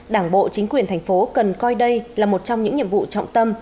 đảng bộ chính quyền thành phố cần coi đây là một trong những nhiệm vụ trọng tâm